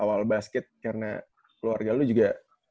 awal basket karena keluarga lo juga